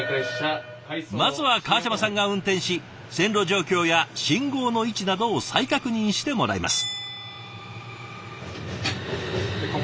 まずは川島さんが運転し線路状況や信号の位置などを再確認してもらいます。